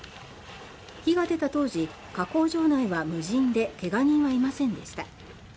火が出た当時、加工場内は無人で怪我人はいませんでした。